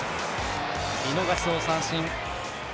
見逃しの三振。